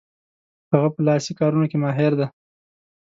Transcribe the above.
هغه په لاسي کارونو کې ماهر دی.